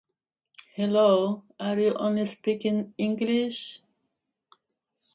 Ruel grew up playing hockey in Sherbrooke.